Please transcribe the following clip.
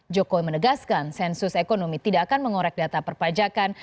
jokowi menegaskan sensus ekonomi tidak akan mengorek data perpajakan